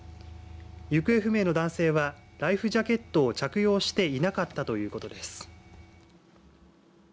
行方不明の男性はライフジャケットを着用していなかったということです。